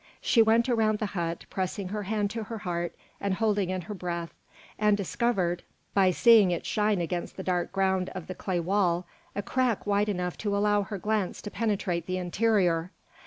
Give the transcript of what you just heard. She went around the hut, pressing her hand to her heart and holding in her breath, and discovered, by seeing it shine against the dark ground of the clay wall, a crack wide enough to allow her glance to penetrate the interior.